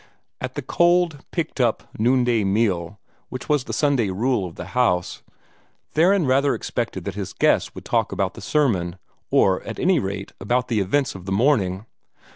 At the cold, picked up noonday meal which was the Sunday rule of the house, Theron rather expected that his guests would talk about the sermon, or at any rate about the events of the morning.